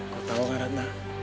kau tau gak ratna